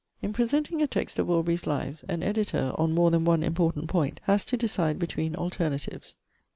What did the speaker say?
In presenting a text of Aubrey's 'Lives,' an editor, on more than one important point, has to decide between alternatives.